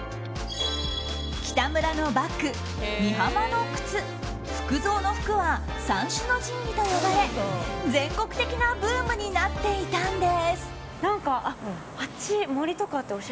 キタムラのバッグ、ミハマの靴フクゾーの服は三種の神器と呼ばれ全国的なブームになっていたんです。